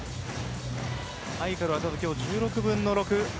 ハイカルは今日、１６分の６。